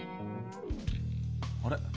あれ？